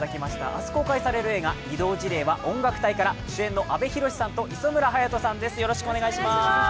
明日公開される映画「異動辞令は音楽隊！」から主演の阿部寛さんと磯村勇斗さんです。